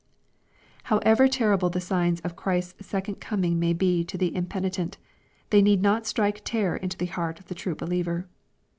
However terrible the signs of Christ's second coming may be to the impenitent, they need not strike terror into the heart of the true believer.